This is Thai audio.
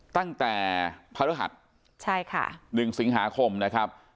ตั้งแต่พระฤหัสใช่ค่ะ๑สิงหาคมนะครับ